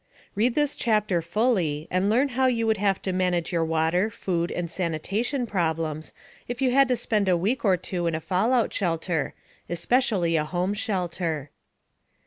Read this chapter fully, and learn how you would have to manage your water, food and sanitation problems if you had to spend a week or two in a fallout shelter, especially a home shelter.